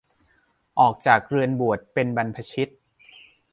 ออกจากเรือนบวชเป็นบรรพชิต